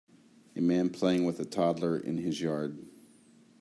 A man playing with a toddler in his yard.